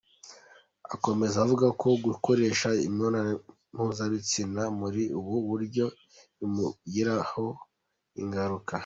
Akomeza avuga ko gukoreshwa imibonano mpuzabitsina muri ubu buryo bimugiraho ingaruka.